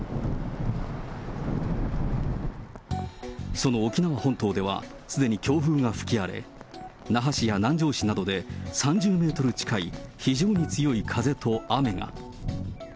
その沖縄本島では、すでに強風が吹き荒れ、那覇市や南城市などで３０メートル近い非常に強い風と雨が。